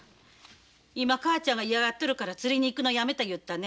今母ちゃんが嫌がっとるから釣りに行くのやめた言うたね？